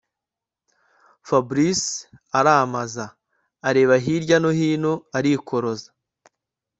Fabric aramaza areba herya no hino arikoroza